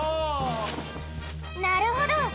なるほど！